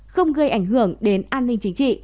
không gây ảnh hưởng đến an ninh chính trị